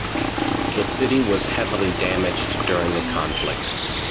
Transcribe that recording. The city was heavily damaged during the conflict.